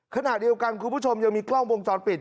ขณะเดียวกันคุณผู้ชมยังมีกล้องวงจรปิด